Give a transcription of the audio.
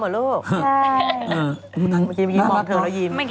เมื่อกี้หัวสวยแม่ก็เลยแหละ